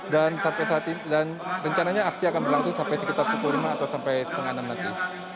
dan rencananya aksi akan berlangsung sampai sekitar pukul lima atau sampai setengah enam nanti